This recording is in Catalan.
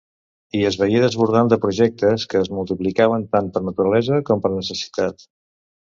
I es veié desbordant de projectes, que es multiplicaven tant per naturalesa, com per necessitat.